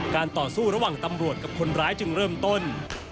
ต่อสู้ระหว่างตำรวจกับคนร้ายจึงเริ่มต้น